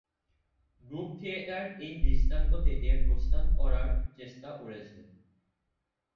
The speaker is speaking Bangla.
গ্রুপ থিয়েটার এই দৃষ্টান্ত থেকে প্রস্থান করার চেষ্টা করেছে।